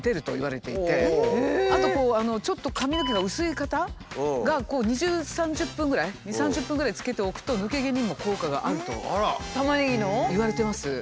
あとちょっと髪の毛が薄い方が２０３０分ぐらい２０３０分ぐらいつけておくと抜け毛にも効果があるといわれてます。